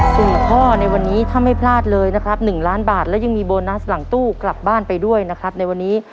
สี่ข้อในวันนี้ถ้าไม่พลาดเลยนะครับหนึ่งล้านบาทและยังมีโบนัสหลังตู้กลับบ้านไปด้วยนะครับในวันนี้